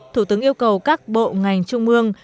thủ tướng yêu cầu các bộ ngành trung mương